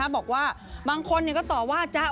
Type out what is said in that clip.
บอกว่าบางคนก็ตอบว่า